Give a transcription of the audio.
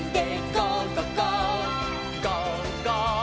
「ゴーゴー！」